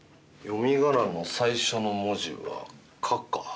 読みがなの最初の文字は「か」か。